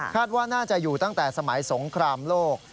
ว่าน่าจะอยู่ตั้งแต่สมัยสงครามโลก